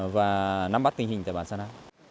và nắm bắt tình hình tại bản san á